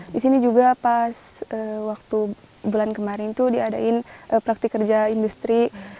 di sini juga pas waktu bulan kemarin tuh diadain praktik kerja industri